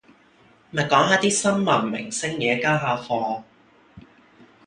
咪講下啲新聞明星野交下貨